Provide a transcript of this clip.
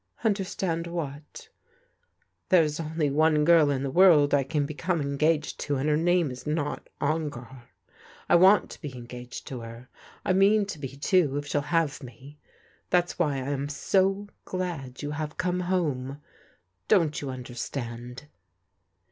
'*" Understand what ?"" There is only one girl in the world I can become en gaged to, and her name is not Ongar. I want to be en gaged to her. I mean to be, too, if she'll have me. That's why I am so glad you have come home. Don't you understand